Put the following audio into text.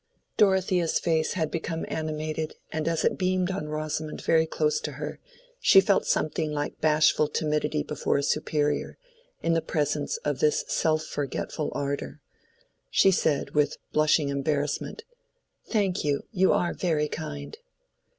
Dorothea's face had become animated, and as it beamed on Rosamond very close to her, she felt something like bashful timidity before a superior, in the presence of this self forgetful ardor. She said, with blushing embarrassment, "Thank you: you are very kind."